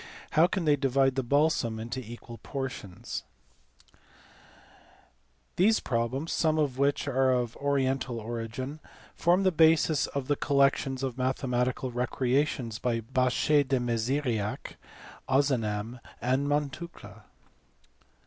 How can they divide the balsam into equal portions]" These problems some of which are of oriental origin form the basis of the collections of mathematical recreations by Bachet de Meziriac, Ozanam, and Montucla.